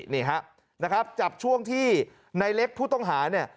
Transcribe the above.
นี่ฮะนะครับจับช่วงที่ในเล็กผู้ต้องหาเนี่ย